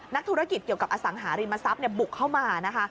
นักธุรกิจเกี่ยวกับอสังหาริมทรัพย์บุกเข้ามานะคะ